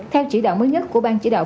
theo chỉ đạo mới nhất của bang chỉ đạo